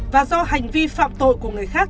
và do hành vi phạm tội của người khác